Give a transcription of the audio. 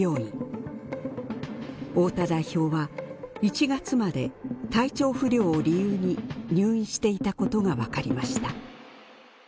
太田代表は１月まで体調不良を理由に入院していたことがわかりました。